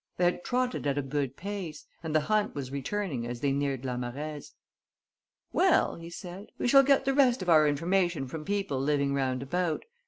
They had trotted at a good pace; and the hunt was returning as they neared La Marèze. "Well," he said, "we shall get the rest of our information from people living round about